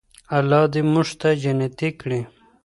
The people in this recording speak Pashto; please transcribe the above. الله دې موږ جنتي کړي.